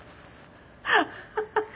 ハハハハ。